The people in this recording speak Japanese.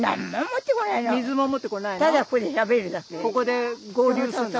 ここで合流するの？